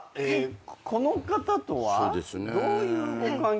この方とはどういうご関係で？